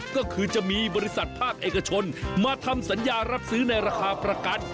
ก็คือจะมีบริษัทภาคเอกชนมาทำสัญญารับซื้อในราคาประกัน